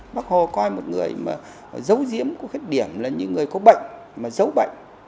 bác hồ coi một người mà giấu giếm khuyết điểm là những người có bệnh